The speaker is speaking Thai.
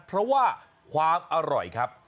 เพราะว่าความอร่อยครับ